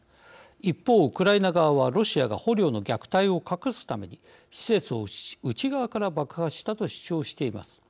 一方、ウクライナ側はロシアが捕虜の虐待を隠すために施設を内側から爆破したと主張しています。